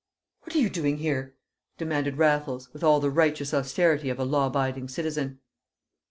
"What are you doing here?" demanded Raffles, with all the righteous austerity of a law abiding citizen.